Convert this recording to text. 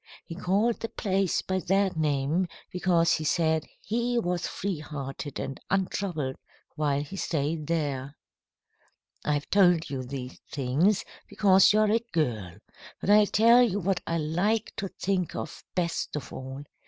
He called the place by that name because he said he was free hearted and untroubled while he stayed there. "I've told you these things because you are a girl. But I'll tell you what I like to think of best of all.